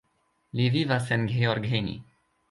Li vivas en Gheorgheni.